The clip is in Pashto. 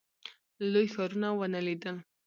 لوی ښارونه ونه لیدل.